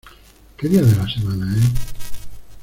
¿Qué día de la semana es?